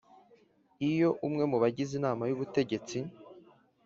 Iyo umwe mu bagize Inama y ubutegetsi